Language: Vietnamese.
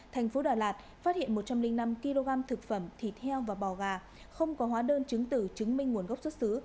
thành phố đà lạt phát hiện một trăm linh năm kg thực phẩm thịt heo và bò gà không có hóa đơn chứng tử chứng minh nguồn gốc xuất xứ